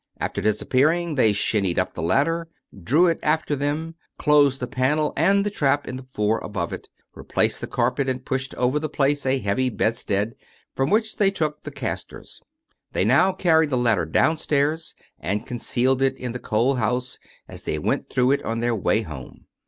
After disappearing, they shinned up the ladder, drew it after them, closed the panel and the trap in the floor above it, replaced the carpet and pushed over the place a heavy bedstead from which they took the cast ors. They now carried the ladder downstairs and concealed it in the coal house as they went through it on their way home.